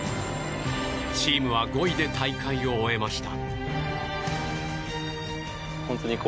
チームは５位で大会を終えました。